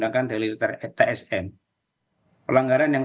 jadi proses pemilu ini adalah proses pemilu yang harus dikonsumsi